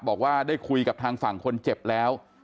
บอกว่าได้คุยกับทางฝั่งคนเจ็บแล้ว